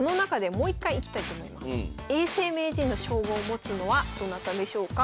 永世名人の称号を持つのはどなたでしょうか？